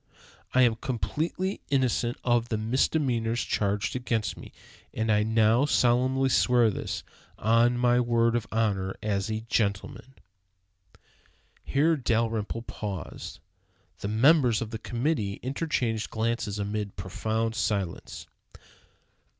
I am completely innocent of the misdemeanors charged against me, and I now solemnly swear this, on my word of honor as a gentleman." Here Dalrymple paused. The members of the committee interchanged glances amid profound silence.